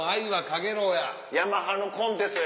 ヤマハのコンテストで。